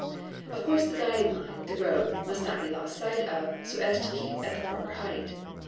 Of course the guiding line, the road, must not be lost sight of, so as to keep at the proper height.